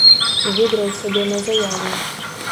Выдраў сабе на заяву.